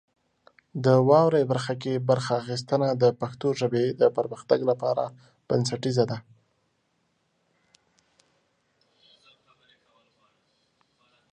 د واورئ برخه کې برخه اخیستنه د پښتو ژبې د پرمختګ لپاره بنسټیزه ده.